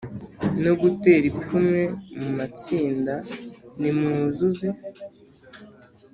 no gutera ipfunwe Mu matsinda nimwuzuze